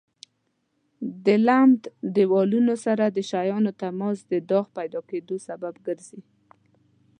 د لمد دېوالونو سره د شیانو تماس د داغ پیدا کېدو سبب ګرځي.